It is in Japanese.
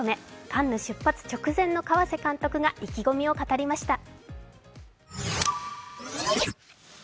カンヌ出発直前の河瀬監督が意気込みを語りました。